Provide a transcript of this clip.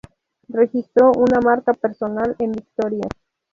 Registró una marca personal en victorias.